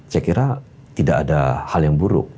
saya kira tidak ada hal yang buruk